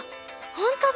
ほんとだ！